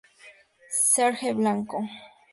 Serge Blanco